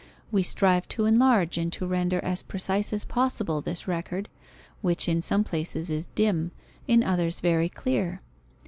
We strive to enlarge and to render as precise as possible this record, which in some places is dim, in others very clear.